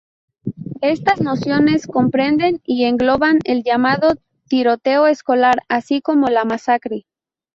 Estas nociones comprenden y engloban el llamado tiroteo escolar así como la masacre.